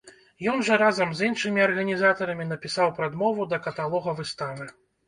Ён жа разам з іншымі арганізатарамі напісаў прадмову да каталога выставы.